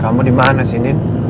kamu dimana sih nin